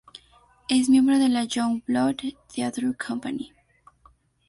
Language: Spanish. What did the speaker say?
Es miembro de la YoungBlood Theatre Company.